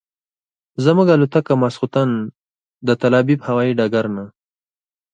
زموږ الوتکه ماسخوتن د تل ابیب هوایي ډګر نه.